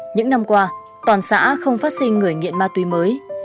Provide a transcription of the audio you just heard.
những năm qua toàn xã không phát sinh người nghiện ma túy mới